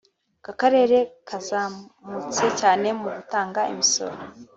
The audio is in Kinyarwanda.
aka karere kazamutse cyane mu gutanga imisoro